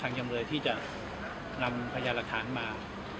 จำเลยที่จะนำพยานหลักฐานมา